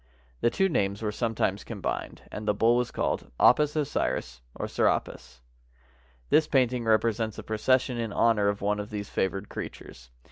The two names were sometimes combined, and the bull was called Apis Osiris or Serapis. This painting represents a procession in honor of one of these favored creatures.